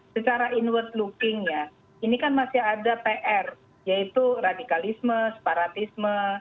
secara inward looking ya ini kan masih ada pr yaitu radikalisme separatisme